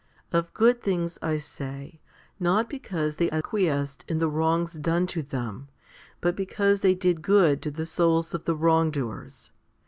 Of good things, I say ; not because they acquiesced in the wrongs done to them, but because they did good to the souls of the wrongdoers.